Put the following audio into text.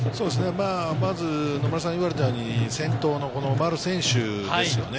まず野村さんが言われたように、先頭の丸選手ですよね。